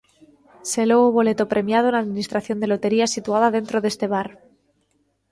Selou o boleto premiado na administración de lotería situada dentro deste bar.